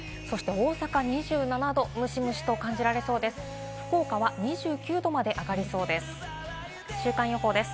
大阪２７度、ムシムシと感じられそうです。